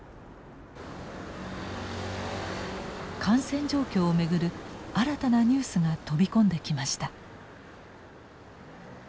感染状況を巡る新たなニュースが飛び込んできました。